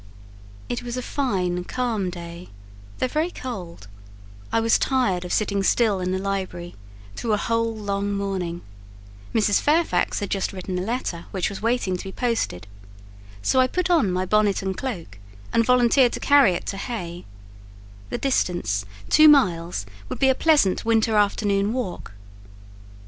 It was a fine, calm day, though very cold; I was tired of sitting still in the library through a whole long morning: Mrs. Fairfax had just written a letter which was waiting to be posted, so I put on my bonnet and cloak and volunteered to carry it to Hay; the distance, two miles, would be a pleasant winter afternoon walk.